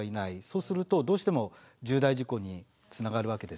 そうするとどうしても重大事故につながるわけですよね。